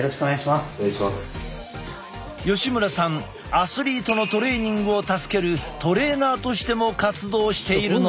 アスリートのトレーニングを助けるトレーナーとしても活動しているのだ。